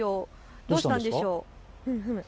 どうしたんでしょう。